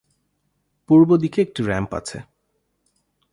পূর্ব দিকে একটি র্যাম্প আছে।